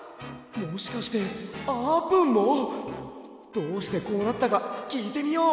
どうしてこうなったかきいてみよう！